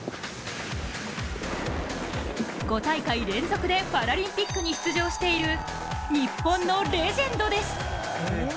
５大会連続で、パラリンピックに出場している日本のレジェンドです。